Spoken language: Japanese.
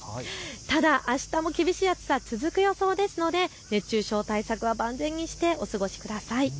ただあしたも厳しい暑さ、続く予想ですので熱中症対策は万全にしてお過ごしください。